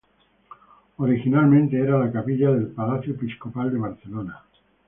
Originalmente era la capilla del Palacio Episcopal de Barcelona.